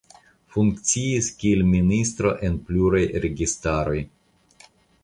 Funkciis kiel ministro en pluraj registaroj.